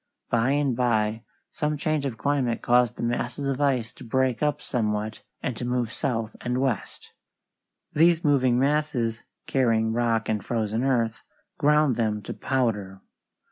By and by some change of climate caused the masses of ice to break up somewhat and to move south and west. These moving masses, carrying rock and frozen earth, ground them to powder.